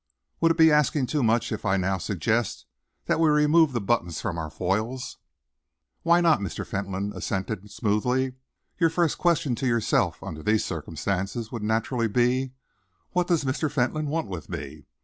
"Would it be asking too much if I now suggest that we remove the buttons from our foils?" "Why not?" Mr. Fentolin assented smoothly. "Your first question to yourself, under these circumstances, would naturally be: 'What does Mr. Fentolin want with me?